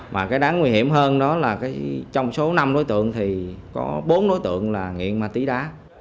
mà cái đáng nguy hiểm hơn đó là trong số năm đối tượng thì có bốn đối tượng là nghiện ma túy đá